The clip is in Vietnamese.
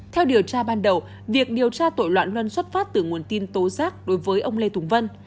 theo điều tra ban đầu việc điều tra tội loạn luân xuất phát từ nguồn tin tố giác đối với ông lê tùng vân